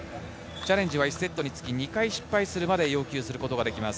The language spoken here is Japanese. チャレンジは１セットにつき２回失敗するまで要求することができます。